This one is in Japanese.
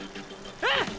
うん！！